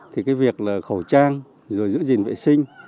thì cái việc là khẩu trang rồi giữ gìn vệ sinh